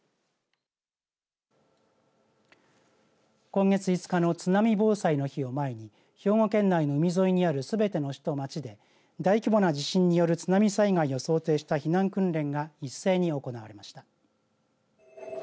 今月５日の津波防災の日を前に兵庫県内の海沿いにあるすべての市と町で大規模な地震による津波災害を想定した避難訓練が一斉に行われました。